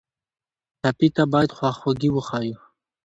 ټپي ته باید خواخوږي وښیو.